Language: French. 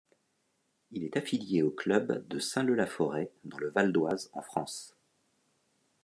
Il est affilié au club de Saint-Leu-la-Forêt dans le Val-d'Oise en France.